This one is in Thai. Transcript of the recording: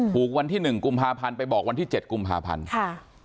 ถูกวันที่๑กุมภาพันธ์ไปบอกวันที่๗กุมภาพันธ์ค่ะ